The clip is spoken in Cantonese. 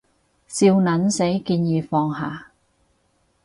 笑撚死，建議放下